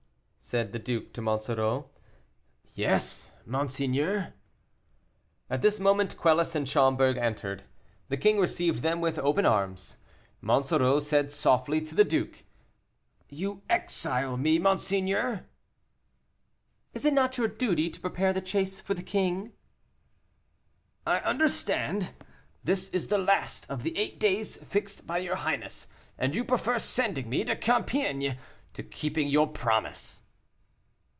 said the duke to Monsoreau. "Yes monseigneur." At this moment Quelus and Schomberg entered. The king received them with open arms. Monsoreau said softly to the duke, "You exile me, monseigneur." "Is it not your duty to prepare the chase for the king?" "I understand this is the last of the eight days fixed by your highness, and you prefer sending me to Compiègne to keeping your promise."